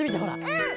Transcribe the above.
うん。